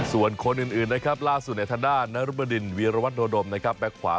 ส่วนคนอื่นล่าสุดในทะดาฯนารัมณาดินวีรหวัตรโดดมแบ็กขวา